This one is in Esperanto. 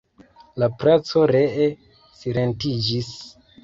La placo ree silentiĝis.